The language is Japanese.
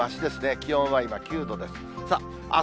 気温は今９度です。